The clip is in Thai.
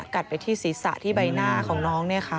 ไปที่ศีรษะที่ใบหน้าของน้อง